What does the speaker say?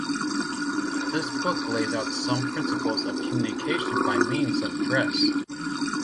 This book lays out some principles of communication by means of dress.